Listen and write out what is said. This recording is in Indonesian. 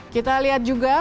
kita lihat juga